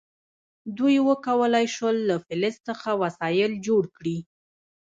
دوی وکولی شول له فلز څخه وسایل جوړ کړي.